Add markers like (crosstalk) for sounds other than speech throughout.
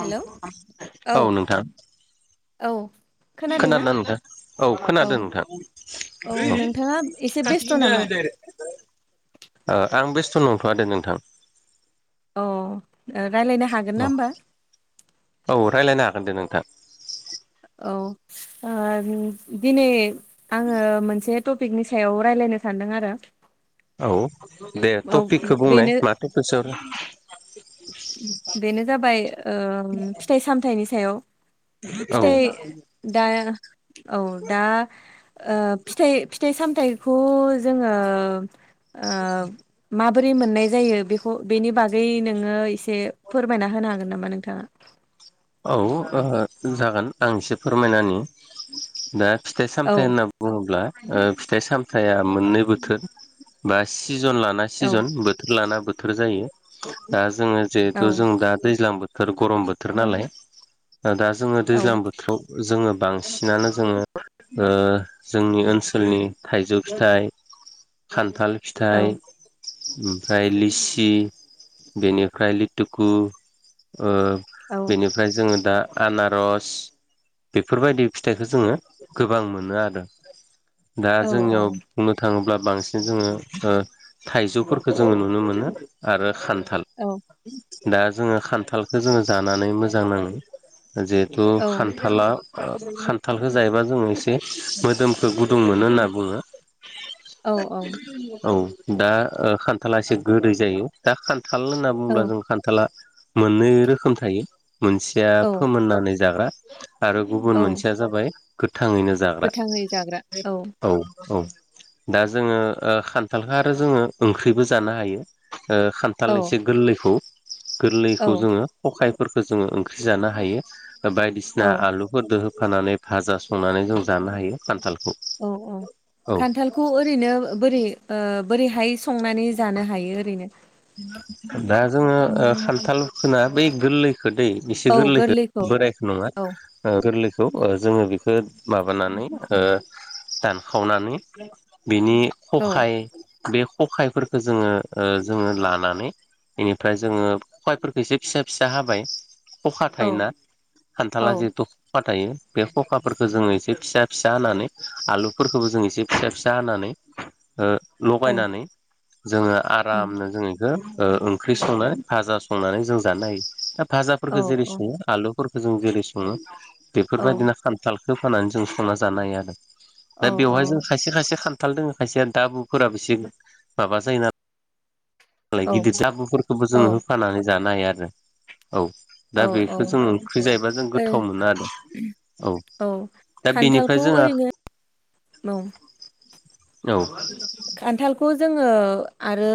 Hello औ नोंथां औ खोनादोंना नोंथां? औ खोनादों नोंथां औ नोंथाङा एसे बेस्थ' नामा? । (unintelligible) आं बेस्थ नंथवा दे नोंथां अ रायलायनो हागोन ना होमबा? औ रायलायनो हागोन दे नोंथां । औ ओ दिनै आंङो मोनसे टपिकनि सायाव रायलाय नो सानदों आरो। औ दे औ टपिकखौ बुंनाय बेनो मा टपिकस आव? बेनो जाबाय ओ फिथाइ-सामथायाइनि सायाव औ फिथाइ दा औ दा ओ फिथाइ फिथाइ-सामथायखौ जोंङो ओ मा बोरै मोननाय जायो बेखौ बेनि बागै नोंङो एसे फोरमायना होनो हागोन नामा नों थाङा? औ ओ जागोन आं एसे फोरमायना होनि दे औ फिथाइ-सामथायाइ होनना बुङोब्ला ओ फिथाइ-सामथाया मोननै बोथोर बा सिजन लाना औ सिजन बोथोर लाना बोथोर जायो दा जोंङो औ जिहेथु जों दा दैज्लां बोथोर गरम बोथोर नालाय दा जोंङो औ दैज्लां बोथोराव जोंङो बांसिनानो जोंङो ओ जोंनि ओनसोलनि थाइजौ फिथाइ खान्थाल फिथाइ औ ओमफ्राय लिसि बेनिफ्राय लिटुकु ओ औ बेनिफ्राय जोङो दा आनारस बेफोरबायदि फिथाइखौ जोङो गोबां मोनो आरो। दा औ जोंनियाव बुंनो थाङोब्ला बांसिन जोङो ओ थाइजौफोरखौ जोङो नुनो मोनो आरो खान थाल औ दा जोङो खान्थालखो जोङो जानानै मोजां नाङो। जिहेथु खान्थाला खान्थालखो जायोबा जोङो एसे मोदोमखौ गुदुं मोनो होनना बुङो। औ औ दा ओ खान्थाला एसे गोदै जायो दा खान थाल होनना औ बुंङोब्ला जों खान्थाला मोननै रोखोम थायो मोनसेया औ फोमोननानै जाग्रा आरो गुबुन औ मोनसेया जाबाय गोथांङैनो जाग्रा। गोथाङै जाग्रा औ औ दा जोङो ओ खान्थालखो आरो जोङो ओंख्रिबो जानो हायो। ओ खान्थाल औ एसे गोरलैखौ गोरलैखौ औ जोङो खायफोरखो जों ओंख्रि जानो हायो बायदिसिना औ आलुफोरदो फानानै भाजा संनानै जों जानो हायो खान्थाल औ औ खान्थालखौ ओरैनो बोरै ओ बोरैहाय संनानै जानो हायो ओरैनो। दा जोङो ओ खान्थाल खोना बै गोललै खोदै इसे गोरलैखौ बोरायखो नङा औ ओ गोरलै खौ ओ जोङो बिखो माबानानै ओ दानखावनानै बिनि औ खखाय बे खखायफोरखो जोङो जोङो लानानै इनिफ्राय जोङो खबायफोरखो इसे फिसा फिसा हाबाय। खखा औ थायोना औ खान्थाला जिहेतु ख थायो बे खखाफोरखो जोङो एसे फिसा फिसा हानानै आलुफोरखोबो जों एसे फिसा फिसा हानानै ओ औ लगायनानै जोङो उम, आरामनो जोङो ओ ओंख्रि संना भाजा संनानै जों जानो हायो दा औ भाजाफोरफोरखो जेरै सङो आलु फोरखो जों जेरै सङो औ बेफोरबायदिनो खान्थालखो होफानानै जों संना जानो हायो आरो। औ दा बेवहाय जों खायसे खायसे खान्थाल दोङो खायसे दाबुफोराबो एसे माबा जायो ना मालाय गिदिर दाबुफोरखोबो औ जोङो होफानानै जानो हायो आरो। औ दा ओ बेखो जों ओंख्रि जायोबा जों गोथाव मोनो आरो। औ दा बिनिफाय जोंओ नौ औ। जोङो आरो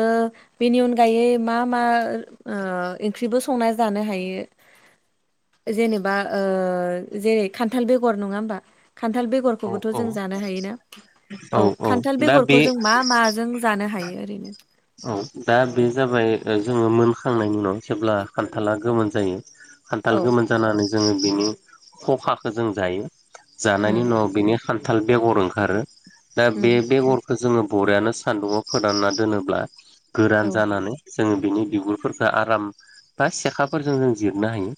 बेनि अनगायै मा मा ओ ओंख्रिबो संना जा जानो हायो। जेनेबा ओ जेरै खान्थाल बेगर नङा होमबा। खान्थाल औ बेगरखौबोथ' जों जानो हायोना औ खान्थाल बेगर खौ जों मा माजों जानो हायो ओरैनो औ दा बे जाबाय जोङो मोनखांनायनि उनाव जेब्ला खान्थाला गोमोन जायो। खान्थाल औ गोमोन जानानै जोङो बिनि खखाखो जों जायो। जानायनि उम उनाव बेनि खान्थाल बेगर ओंखारो दा बे उम बेगरखो जोङो बरियानो सान्दुआव फोरानना दोनोब्ला गोरान औ जानानै जोङो बिनि बिगुरफोरखो आराम बा सेखाफोरजों जों जिरनो हायो।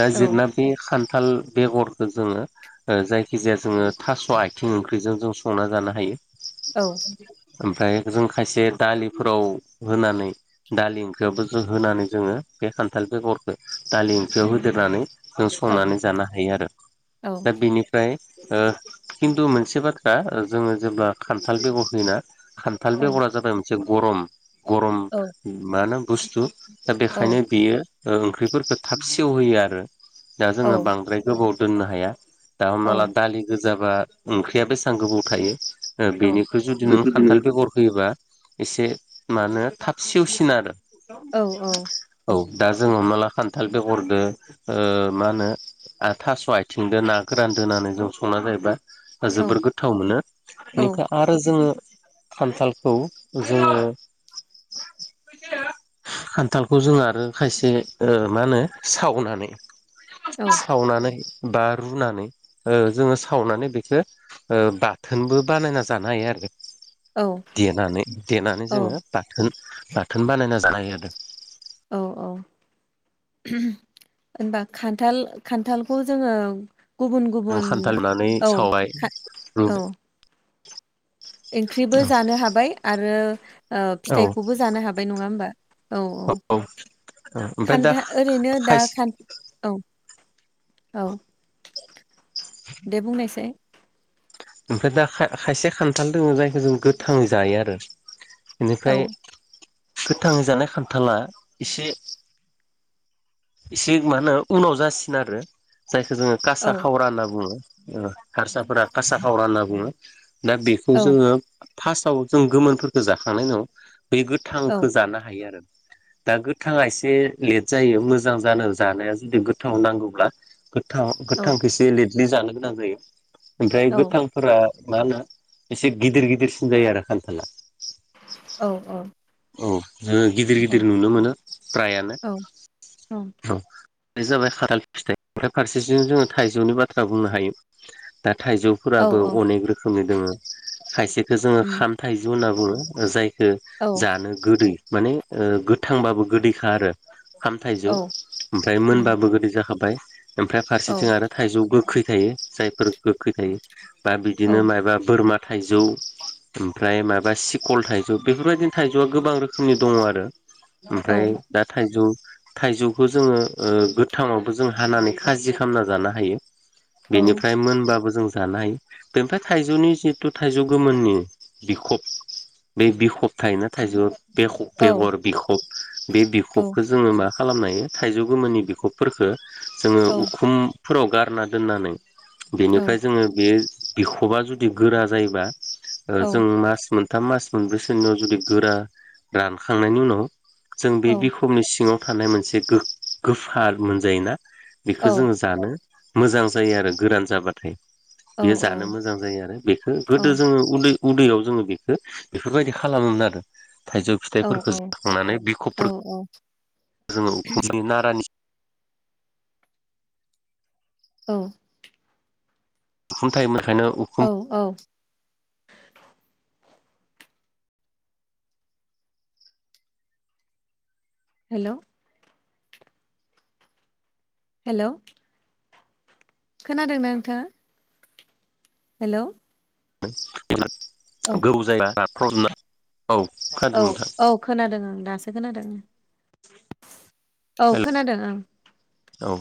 दा औ जिरना बे खान थाल बेगरखो जोङो ओ जायखिजाया जोङो थास' आथिं ओंख्रिजों जों संना जानो हायो। औ ओमफ्राय जों खायसे दालि फोराव होनानै दालि ओंख्रि होनानै जोङो बे खान्थाल बेरखो दालि ओंख्रियाव होदेरनानै जों औ संनानै जानो हायो आरो औ दा बिनिफ्राय खिन्थु मोनसे बाथ्रा जोङो जेब्ला खान्थाल बेगर होयोन खान्थाल औ बेगरा जाबाय मोनसे गरम गरम मा होनो बुस्थु। दा औ बेखायनो बियो ओंख्रिफोरखौ थाब सेवहयो आरो दा जोङो औ बांद्राय गोबाव, दोननो हाया दा औ हमना ला दालि गोजाबा ओंख्रिया बेसेबां गोबाव थायो। औ बेनिख्रय जुदि नों बेखौ दिनै खान्थाल बेगर होयोबा एसे म होनो थाब सेवसिन आरो औ औ। दा जोङो हमानाला खान्थाल बेगरदो ओ मा होनो थास' आथिंदो ना गोरान दोनानै जों संना जाहोबा औ जोबोर गोथाव मोनो औ ।बेनिफ्राय आरो जोङो खान्थालखौ जोंङो खान्थालखौ जों आरो खायसे ओ मा होनो सावनानै सावनानैनानै बा रुनानै ओ जोङो सावनानै बेखौो बाथोनबो बानायना जानो हायो आरो। औ। देनानै देनानै औ जोङो बाथोन बाथोन बानायना जानो हायो आरो। औ औ। होनबा खान्थाल खान्थालखौ जोङो गुबुन गुबुन खान्थालनानै औ सावबाय खान औ। रुबाय ओंख्रिबो जानो हाबाय आरो औ फिथाइखौबो जानो हाबाय नङा होमबा? औ औ। ओमफ्राय दा खान्था ओरैनो दा खायसे खान औ औ दे बुंनायसै। ओमफ्राय दा खाइ खायसे खान्थाल दोङ जायखौ जों गोथां जायो आरो। बेनिफ्राय औ गोथां जानाय खान्थाला एसे एसे मा होनो उनाव जासिनो आरो जायखौ जोङो कासा औ खावरा होनना बुङो। हारसाफोरा कासा हावरा होनना बुङो दा बेखौ औ जोङो। पार्स्टआव जों गोफोनफोरखौ जाखांनायनि उाव बे औ गोथांखो जानो हायो आरो दा गोथाङा एसे लेट जायो मोजां जानो जानाया जुदि गोथाव नांगौब्ला गोथां औ गोथांखौ एसे लेटलि जानो गोनां जायो ओमफ्राय औ गोथांफोरा मा होनो एसे गिदिर गिदिरसिन जायो आरो खान्थाला। औ औ। औ जोङो गिदिर गिदिर नुनो मोनो फ्रायानो औ। बे जाबाय खाथाल फिथाइ ओफ्राय फारसेथिं जोङो थाइजौनि बाथ्रा बुंनो हायो ।दा औ थाइजौफोराबो औ अनेक रोखोमनि दोङो खायसेखौ जोङो उम खाम थाइजौ होनना बुङो जाय औ जानो गोदै माने गोथांबाबो गोदैखा आरो ओंखाम थाइजौ औ ओमफ्राय उम मोनबाबो गोदै जाखाबाय ओमफ्राय औ फारसेथिं आरो थाइजौ गो गोखै थायो जायफोर गोखै थायो बा औ बिदिनो मायबा बोरमा थाइजौ ओमफ्राय माबा सिकल थाइजौ बेफोरबायदिनो थाइजौआ गोबां रोखोमनि दङ आरो। औ ओमफ्राय दा थाइजौ थाइजौखौ जोङो गोथाङावबो जों हानानै खाजि खालामना जानो हायो। औ बेनिफ्राय मोनबाबो जों जानाय हायो बेमफ्राय थाइजौनि जिथु थाइजौ गोमोननि बिखब बे बिखब थायोना थाइजौ बे बेगर बिखब। बे औ बिखबखौ जोङो मा खालामनो हायो थाइजौ गोमोननि बिखबफोरखो जोङो औ उखुम फोराव गारना दोननानै बेनिफ्राय जोङो बे बिखबा जुदि गोरा जायोबा औ जों मास मोनथाम मास मोनब्रैसोनियाव जुदि गोरा रानखांनायनि उनाव जों बे औ बिखमनि सिङाव थानाय मोनसे गो गोफार मोनजायोना बेखौ औ जोङो जानो मोजां जायो आरो गोरान जाबाथाय। बेयो जानो मोजां जायो आरो बेखौ गोदो जोङो उन्दै उदैयाव जोङो बेखौ बेफोरबायदि खालामोमोन आरो। थाइजौ फिथाइफोरखौ जाखांनानै बि औ औ खबफोरखौ जोङो खुसुन नारानि औ खोनथायोमोन । औ औ। Hello hello. खोनादोंना नोंथा? हेलौ। औ (unintelligible) खोनादों औ नोंथां औ खोनादों आं दासो खोनादों औ हेल' खोनादों आं औ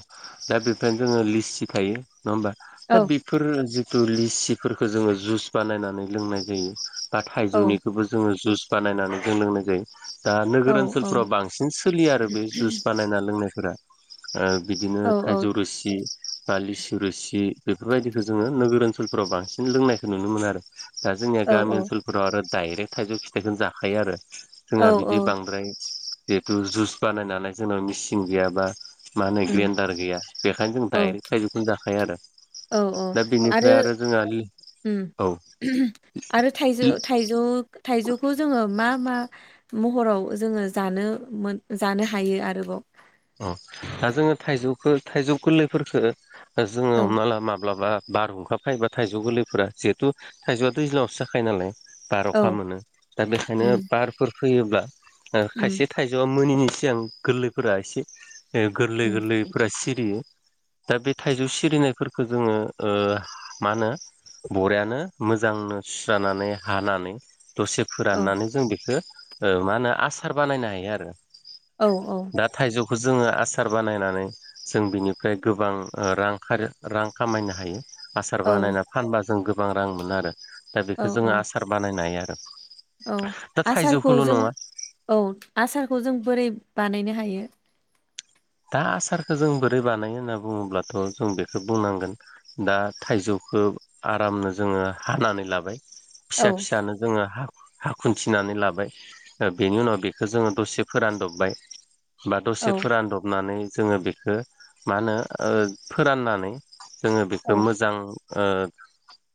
दा बेफोर जोङो लिस्ट सिखायो नङा होमबा औ दा बेफोर जि- तु लिसिफोरखौ जोङो जुस बानायनानै लोंनाय जायो बा औ थाइजौनिखौबो जोङो जुस बानायनानै जों लोंनाय जायो दा औ नोगोर औ ओनसोलफोराव बांसिन सोलियो आरो बे जुस बानायना लोंनाय- फोरा बिदिनो औ थाइजौ रोसि बा लिसु रोसि बेफोरबायदिखौ जोङो नोगोर ओनसोलफोराव बांसिन लोंनायखौ नुनो मोनो आरो दा जोंनिया औ गामि ओनसोलफोराव आरो डाइरेक्ट थाइजौ फिथाइखौनो जाखायो आरो औ जोंहा बिदि औ बांद्राय जिथु जुइस बानायनानो जोंनाव मेचिन गैयाबा मा होनो उम ग्रेन्डार गैया बेखायनो जों औ डाइरेक्ट थाइजौखौनो जाखायो आरो औ औ दा बिनिफ्राय आरो जोंहा लि- उम आरो थाइजौ-थाइजौ थाइजौखौ जोङो मा मा महराव जोङो जानो मोन जानो हायो आरोबाव? अ दा जोङो थाइजौखौ थाइजौ गोरलैफोरखौ जोङो औ माला-माब्लाबा बार हुंखाबखायोबा थाइजौ गोरलैफोरा जिहेथु थाइजौआथ' दैज्लांआवसो जाखायो नालाय बार अखा औ मोनो दा बेखायनो उम बारफोर फैयोब्ला उम खायसे थाइजौआ मोनिनि सिगां गोरलैफोरा एसे उम गोरलै-गोरलैफोरा सिरियो दा बे थाइजौ सिरिनायफोरखौ जोङो ओ मा होनो बरियानो मोजांनो सुस्रानानै हानानै दसे औ फोराननानै जों बेखौ अ मा होनो आसार बानायनो हायो आरो औ औ बेखौ जोङो आसार बानायनानै जों बिनिफ्राय गोबां अ रां खारो रां खामायनो हायो आसार औ बानायना फानबा जों गोबां रां मोनो आरो दा औ बेखौ जोङो औ आसार बानायनो हायो आरो औ दा आसारखौ थाइजौखौल' जों नङा औ आसारखौ जों बोरै बानायनो हायो? दा आसारखौ जों बोरै बानायो होनना बुङोब्लाथ' जों बेखौ बुंनांगोन दा थाइजौखौ आरामनो जोङो हानानै लाबाय औ फिसा-फिसानो जोङो हा- हा खुथिनानै लाबाय बेनि उनाव बेखौ जोङो दसे फोरानदबबाय बा औ दसे फोरानदबनानै जोङो बेखौ मा होनो ओ फोराननानै जोङो औ बेखौ मोजां ओ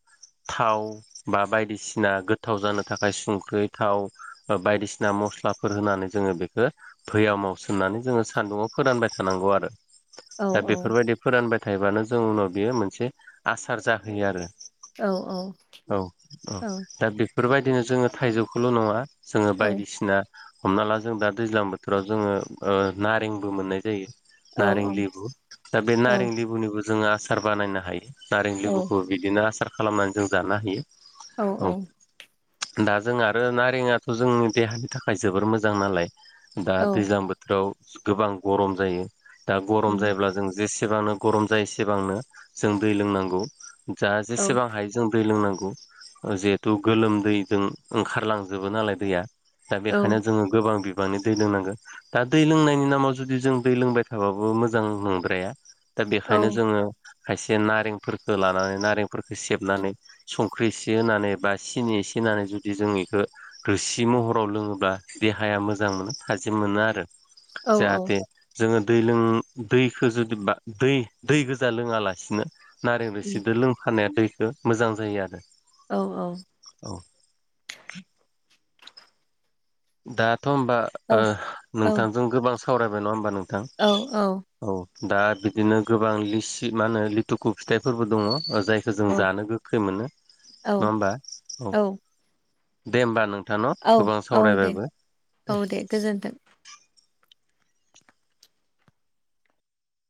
(inaudible) थाव बा बायदिसिना गोथाव जानो थाखाय संख्रि थाव बायदिसिना मस्ला फोर होनानै जोङो बेखौ भैयामाव सोनानै जोङो सान्दुङाव फोरानबाय थानांगौ आरो औ दा बेफोरबायदि फोरानबाय थायबानो जों उनाव बेयो मोनसे आसार जाहोयो आरो औ औ दा बे बेफोरबायदिनो जोङो थाइजौखौल' नङा जोङो औ बायदिसिना हमना ला जों दा दैज्लां बोथोराव जोङो अ नारेंबो मोननाय जायो औ नारें लेबु दा बे औ नारें लेबुनिबो जोङो आसार बानायनो हायो नारें लेबुखौ बिदिनो आसार खालामनानै जों जानो हायो औ औ दा जों आरो नारेंआाथ' जोंनि देहानि थाखाय जोबोर मोजां नालाय दा औ दैज्लां बोथोराव गोबां गरम जायो दा गरम उम जायोब्ला जों जेसे सेबांनो गरम जायो एसेबांनो जों दै लोंनांगौ जा औ जेसेबां हायो जों दै लोंनांगौ जिहेथु गोलोम दैजों ओंखारलांजोबो नालाय दैया दा औ बेखायनो जोङो गोबां बिबांनि दै लोंनांगोन दा दै लोंनायनि नामाव जुदि जों दै लोंबाय थाबाबो मोजां नंद्राया दा बेखायनो जोङो खायसे नारेंफोरखौ लानानै नारेंफोरखौ सेबनानै संख्रि एसे होनानै बा सिनि एसे होनानै जुदि जों बेखौ रोसि महराव लोङोब्ला देहाया मोजां मोनो थाजिम मोनो आरो औ जाहाथे उम जोङो दै लों दैखो जुदि दै- दै गोजा लोङालासिनो नारें औ रोसिदो लोंफानाया दैखो मोजां जायो आरो औ - औ औ दाथ' होमबा ओ नोंथांजों गोबां सावरायबाय नङा होमबा नों थां औ - औ दा बिदिनो गोबां लिसि मा होनो लिथुखु फिथाइफोरबो दङ औ जायखौ जों औ जानो गोखै मोनो औ नङा होमबा औ दे होमबा नोंथां न' औ गोबां औ सावरायबाय दे औ दे गोजोन्थों